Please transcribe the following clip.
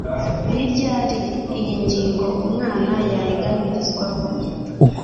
niryari iyi ngingo umwana yayiganirizwaho.